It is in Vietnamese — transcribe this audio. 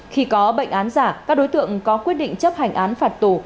khi có bệnh án giả các đối tượng có quyết định chấp hành án phạt tù